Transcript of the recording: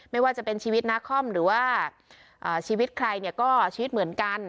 ไม่ว่าจะเป็นชีวิตนาคอมหรือว่าชีวิตใครเนี่ยก็ชีวิตเหมือนกัน